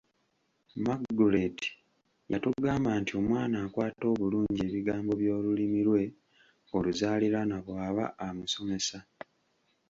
Margret yatugamba nti omwana akwata obulungi ebigambo by'Olulimi lwe oluzaaliranwa bw'aba amusomesa.